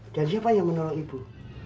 dan siapa yang menolong ibu